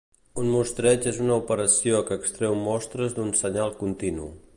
Un mostreig és una operació que extreu mostres d'un senyal continu.